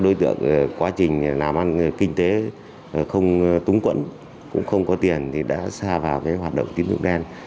đối tượng quá trình làm ăn kinh tế không túng quẫn cũng không có tiền thì đã xa vào hoạt động tín dụng đen